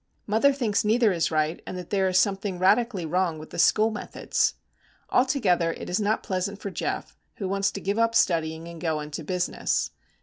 Mother thinks neither is right, and that there is something radically wrong with the school methods. Altogether it is not pleasant for Geof, who wants to give up studying and go into business.